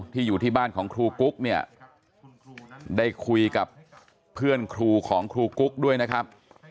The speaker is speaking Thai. อยู่ที่บ้านของครูกุ๊กเนี่ยได้คุยกับเพื่อนครูของครูกุ๊กด้วยนะครับ